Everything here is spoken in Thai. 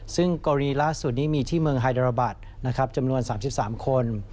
ซึ่งกรณีล่าสุดนี้มีที่เมืองไฮโดรบัตรจำนวน๓๓คน